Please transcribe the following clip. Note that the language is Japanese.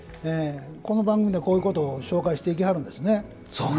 この番組でこういうこと紹介していきはるんですね。